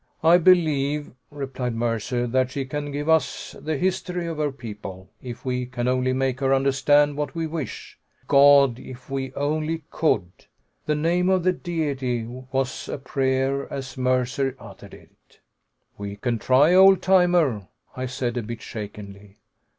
"I believe," replied Mercer, "that she can give us the history of her people, if we can only make her understand what we wish. God! If we only could!" The name of the Deity was a prayer as Mercer uttered it. "We can try, old timer," I said, a bit shakenly.